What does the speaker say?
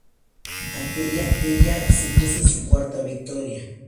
Aquella supuso su cuarta victoria.